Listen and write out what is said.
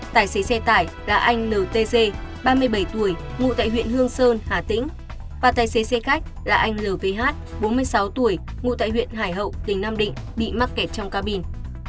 tuổi ngụ tại huyện hương sơn hà tĩnh và tài xế xe khách là anh lvh bốn mươi sáu tuổi ngụ tại huyện hải hậu tỉnh nam định bị mắc kẹt trong cabin